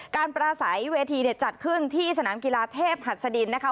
การประสัยเวทีจัดขึ้นที่สนามกีฬาเทพหัสดินนะคะ